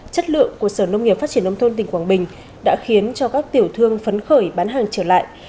chất lượng của sở nông nghiệp phát triển nông thôn tỉnh quảng bình đã khiến cho các tiểu thương phấn khởi bán hàng trở lại